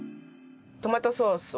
トマトソースを。